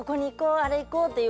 あれいこう！っていう